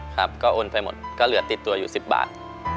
ครับก็โอนไปหมดก็เหลือติดตัวอยู่๑๐บาท